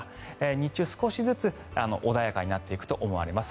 日中少しずつ穏やかになっていくと思われます。